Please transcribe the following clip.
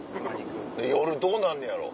夜どうなんねやろ？